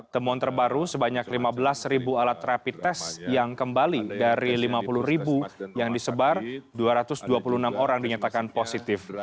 temuan terbaru sebanyak lima belas ribu alat rapid test yang kembali dari lima puluh ribu yang disebar dua ratus dua puluh enam orang dinyatakan positif